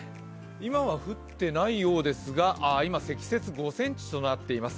今は降ってないようですが今、積雪５ｃｍとなっています。